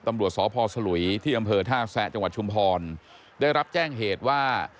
ตำรวจสพสลุยที่อำเภอท่าแซะจังหวัดชุมพรได้รับแจ้งเหตุว่า